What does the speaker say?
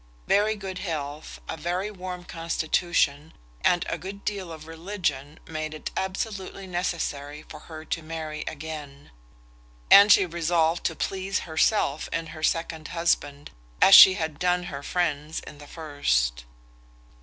Very good health, a very warm constitution, and a good deal of religion, made it absolutely necessary for her to marry again; and she resolved to please herself in her second husband, as she had done her friends in the first.